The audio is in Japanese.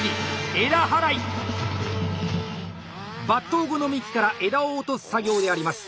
伐倒後の幹から枝を落とす作業であります。